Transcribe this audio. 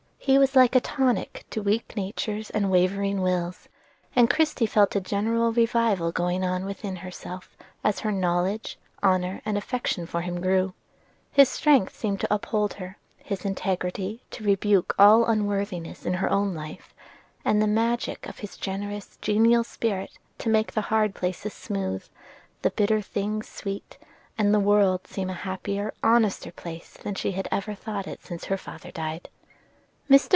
He was like a tonic to weak natures and wavering wills; and Christie felt a general revival going on within herself as her knowledge, honor, and affection for him grew. His strength seemed to uphold her; his integrity to rebuke all unworthiness in her own life; and the magic of his generous, genial spirit to make the hard places smooth, the bitter things sweet, and the world seem a happier, honester place than she had ever thought it since her father died. Mr.